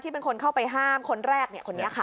ที่เป็นคนเข้าไปห้ามคนแรกเนี่ยคนนี้ค่ะ